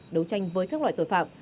đấu tranh với các loại tội phạm